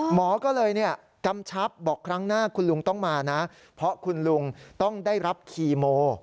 หมอก็เลยกำชับบอกครั้งหน้าคุณลุงต้องมานะเพราะคุณลุงต้องได้รับคีโม